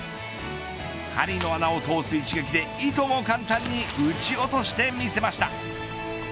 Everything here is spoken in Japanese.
針の穴を通す一撃でいとも簡単に打ち落としてみせました。